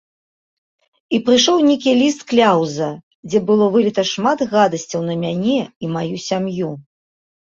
І прыйшоў нейкі ліст-кляўза, дзе было выліта шмат гадасцяў на мяне і маю сям'ю.